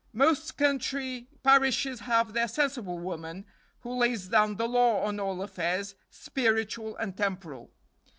Most country parishes have their sensible woman, who lays down the law on all affairs, spiritual and temporal.